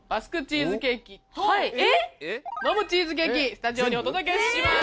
スタジオにお届けします。